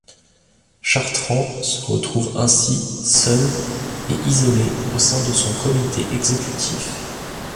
Chartrand se retrouve ainsi seul et isolé au sein de son comité exécutif.